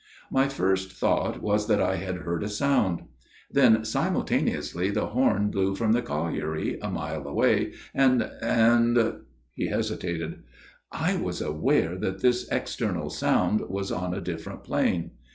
" My first thought was that I had heard a sound. Then simultaneously the horn blew from the colliery a mile away, and and " he hesitated, " 1 was aware that this external sound was on a different plane.